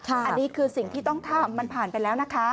อันนี้คือสิ่งที่ต้องทำมันผ่านไปแล้วนะคะ